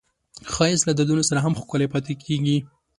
ښایست له دردونو سره هم ښکلی پاتې کېږي